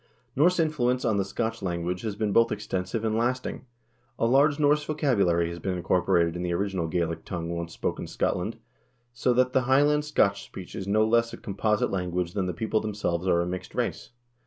Norse influence on the Scotch language has been both extensive and lasting. A large Norse vocabulary has been incorporated in the original Gaelic tongue once spoken in Scotland, so that the High land Scotch speech is no less a composite language than the people themselves are a mixed race.